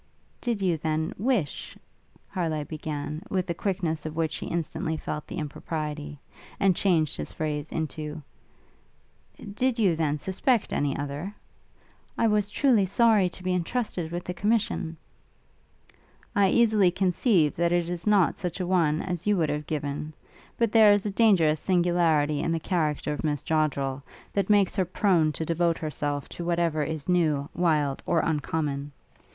'Did you, then, wish ' Harleigh began, with a quickness of which he instantly felt the impropriety, and changed his phrase into, 'Did you then, suspect any other?' 'I was truly sorry to be entrusted with the commission.' 'I easily conceive, that it is not such a one as you would have given! but there is a dangerous singularity in the character of Miss Joddrel, that makes her prone to devote herself to whatever is new, wild, or uncommon.